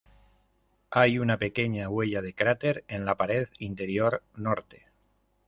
Hay una pequeña huella de cráter en la pared interior norte.